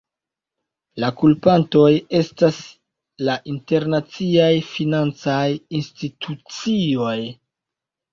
La kulpantoj estas la internaciaj financaj institucioj.